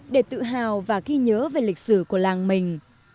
để tự hào và ghi nhớ về lịch sử của làng mình